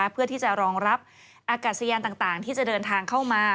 เพื่อที่จะรองรับอากาศยานต่างที่จะเดินทางเข้ามา